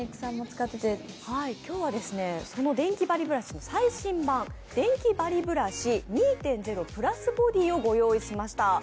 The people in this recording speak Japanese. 今日はそのデンキバリブラシの最新版、デンキバリブラシ２．０＋ボディをご用意しました。